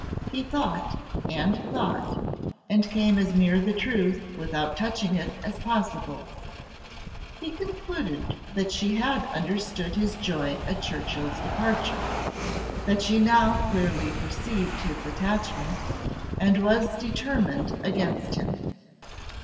He thought, and thought, and came as near the truth without touching it as possible. He concluded that she had understood his joy at Churchill's departure; that she now clearly perceived his attachment; and was determined against him.